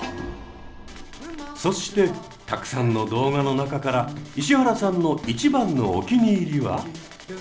そしてたくさんの動画の中から石原さんの一番のおきにいりは？